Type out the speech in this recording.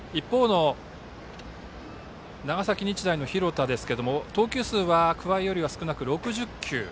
一方の長崎日大の廣田ですが投球数は桑江より少なく６０球。